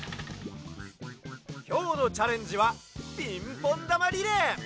きょうのチャレンジはピンポンだまリレー！